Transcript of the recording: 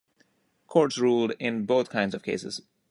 Courts ruled in both kinds of cases.